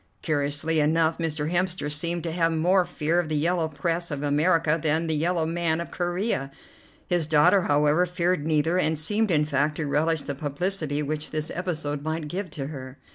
Curiously enough, Mr. Hemster seemed to have more fear of the yellow press of America than of the yellow man of Corea. His daughter, however, feared neither, and seemed in fact to relish the publicity which this episode might give to her.